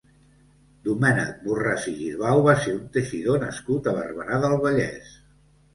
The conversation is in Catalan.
Domènec Borràs i Girbau va ser un teixidor nascut a Barberà del Vallès.